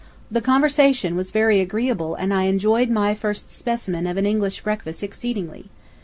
The conversation was very agreeable and I enjoyed my first specimen of an English breakfast exceedingly.